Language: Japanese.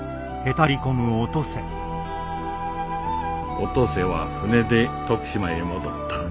お登勢は船で徳島へ戻った。